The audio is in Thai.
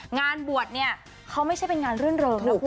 งานบวชเนี่ยเขาไม่ใช่เป็นงานรื่นเริงนะคุณ